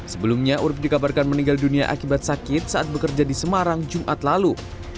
sebelumnya urib dikabarkan meninggal dunia akibat sakit saat bekerja di semarang jumat lalu